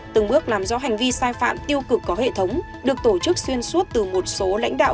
từng bước làm rõ hành vi sai phạm tiêu cực có hệ thống được tổ chức xuyên suốt từ một số lãnh đạo